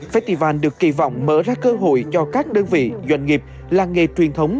festival được kỳ vọng mở ra cơ hội cho các đơn vị doanh nghiệp làng nghề truyền thống